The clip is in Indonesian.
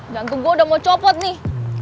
jantung gue udah mau copot nih